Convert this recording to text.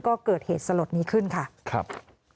ก็เกิดเหตุสลดนี้ขึ้นค่ะครับ